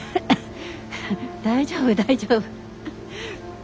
大丈夫大丈夫。